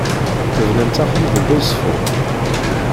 Bnant axxam deg Uzeffun?